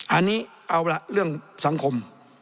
อันนี้เอาล่ะเรื่องสังคม